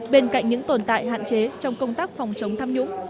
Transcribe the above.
bên cạnh những tồn tại hạn chế trong công tác phòng chống tham nhũng